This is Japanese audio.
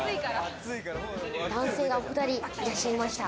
男性がお２人いらっしゃいました。